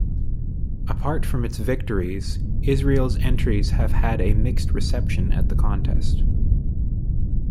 Apart from its victories, Israel's entries have had a mixed reception at the contest.